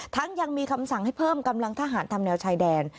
ยังมีคำสั่งให้เพิ่มกำลังทหารทำแนวชายแดน